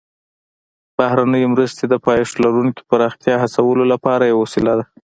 بهرنۍ مرستې د پایښت لرونکي پراختیا هڅولو لپاره یوه وسیله ده